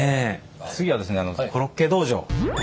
次はですねコロッケ道場。